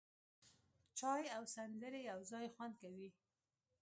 چای او سندرې یو ځای خوند کوي.